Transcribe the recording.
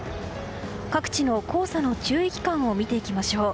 各地の黄砂の注意期間を見ていきましょう。